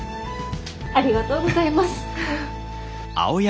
ありがとうございます。